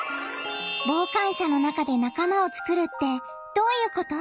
傍観者の中で仲間を作るってどういうこと？